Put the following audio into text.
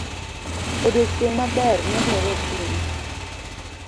Odiochieng' maber nenore okinyi.